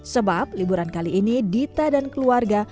sebab liburan kali ini dita dan keluarga